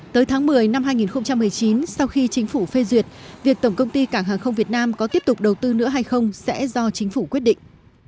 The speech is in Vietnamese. tới tháng một mươi năm hai nghìn một mươi chín sau khi chính phủ phê duyệt việc tổng công ty cảng hàng không việt nam có tiếp tục đầu tư nữa hay không sẽ do chính phủ quyết định